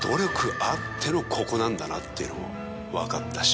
なんだなっていうのも分かったし。